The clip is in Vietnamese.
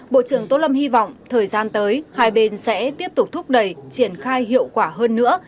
bộ trưởng tô lâm hy vọng thời gian tới hai bên sẽ tiếp tục thúc đẩy triển khai hiệu quả hơn nữa